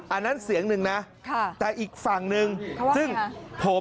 อันนั้นเสียงหนึ่งนะแต่อีกฝั่งหนึ่งซึ่งเขาว่าไงครับ